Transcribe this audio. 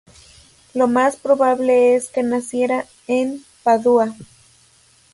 Lo más probable es que naciera en Padua.